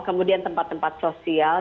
kemudian tempat tempat sosial